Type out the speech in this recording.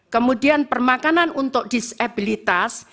kemudian permakanan untuk disabilitas